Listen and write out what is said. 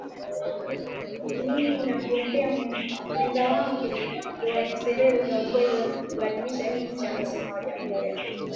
Mimi na mgombea mwenza wangu ndio wenye sera za ukweli za kubadilisha hii nchi Amesema Wajackoya